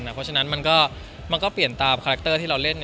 เพราะฉะนั้นมันก็เปลี่ยนตามคาแรคเตอร์ที่เราเล่น